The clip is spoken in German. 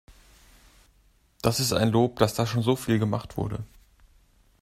Das ist ein Lob, dass da schon so viel gemacht wurde.